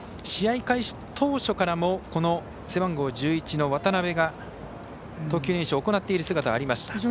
試合開始当初からもこの背番号１１の渡邊が投球練習を行っている姿がありました。